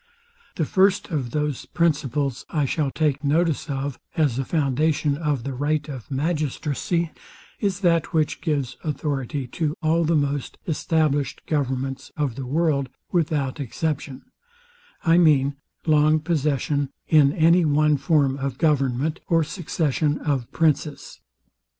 The first of those principles I shall take notice of, as a foundation of the right of magistracy, is that which gives authority to all the most established governments of the world without exception: I mean, long possession in any one form of government, or succession of princes.